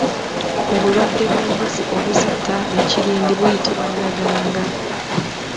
Obulwadde bw’embuzi obuzitta ekirindi buyitibwa Naganga.